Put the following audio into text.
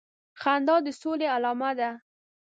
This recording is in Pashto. خندا د سولي علامه ده